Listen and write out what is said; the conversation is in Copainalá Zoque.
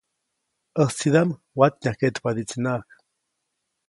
‒ʼÄjtsidaʼm watnyajkeʼtpadiʼtsinaʼajk-.